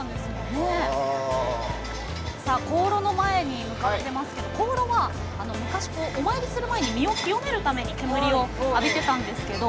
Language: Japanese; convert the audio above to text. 香炉の前に向かってますが香炉は昔、お参りする前に身を清めるために煙を浴びていたんですけど。